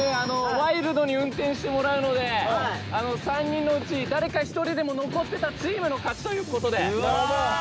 ワイルドに運転してもらうので３人のうち誰か１人でも残ってたチームの勝ちということで。